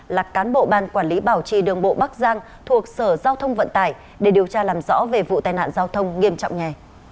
là cán bộ ban quản lý bảo trì đường bộ bắc giang thuộc sở giao thông vận tải để điều tra làm rõ về vụ tai nạn giao thông nghiêm trọng nhà